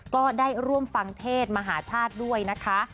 ก็ได้ร่วมฟังเทศมหาชาติด้วยนะคะ